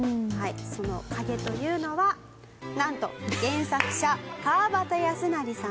その影というのはなんと原作者川端康成さんご本人！